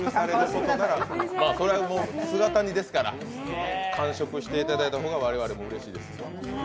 それはもう姿煮ですから完食していただいた方がうれしいです。